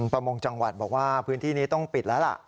ประมงจังหวัดบอกว่าพื้นที่นี้ต้องปิดแล้วล่ะ